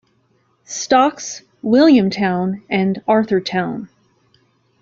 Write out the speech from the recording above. Stocks, William Town, and Arthur Town.